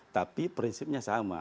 tapi prinsipnya sama